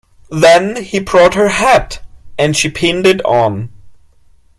Then he brought her hat, and she pinned it on.